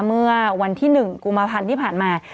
เมื่อวันที่๑กุมภาพันธ์ที่ผ่านมา